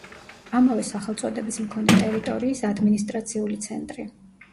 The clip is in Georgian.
ამავე სახელწოდების მქონე ტერიტორიის ადმინისტრაციული ცენტრი.